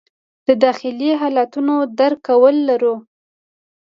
د داخلي حالتونو درک کول لرو.